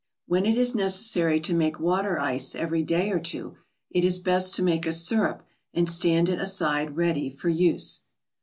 When it is necessary to make water ice every day or two, it is best to make a syrup and stand it aside ready for use.